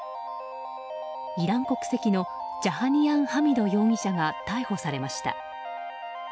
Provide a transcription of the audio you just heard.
イラン国籍のジャハニアン・ハミド容疑者が逮捕されました。